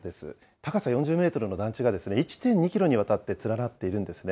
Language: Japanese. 高さ４０メートルの団地が１．２キロにわたって連なっているんですね。